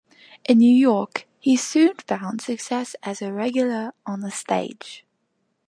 In New York he soon found success as a regular on the stage.